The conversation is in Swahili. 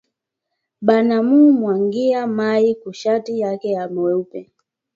Bana mu mwangiya mayi ku shati yake ya mweupe